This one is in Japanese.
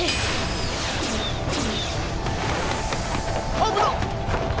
危なっ！